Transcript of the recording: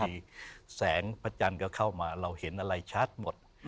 มีแสงพระจันทร์ก็เข้ามาเราเห็นอะไรชัดหมด